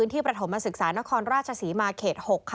ที่ประถมมาศึกษานครราชศรีมาร์เกตฯ๖